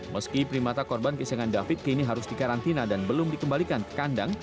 meski primata korban kisahngan david kini harus dikarantina dan belum dikembalikan ke kandang